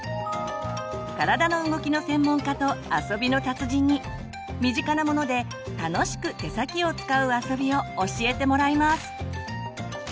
体の動きの専門家と遊びの達人に身近なもので楽しく手先を使う遊びを教えてもらいます！